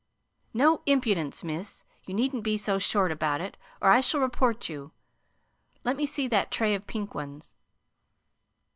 "No impudence, miss! You needn't be so short about it, or I shall report you. Let me see that tray of pink ones."